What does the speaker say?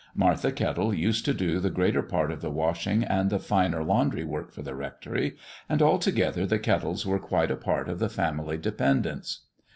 Martha Kettle used to do the greater part of the washing and the finer laundry work for the rectory, and, altogether, the Kettles were quite a part of the family dependants.